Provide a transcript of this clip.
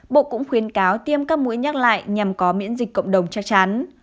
bộ cũng khuyến cáo tiêm các mũi nhắc lại nhằm có miễn dịch cộng đồng chắc chắn